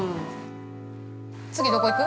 次どこ行く？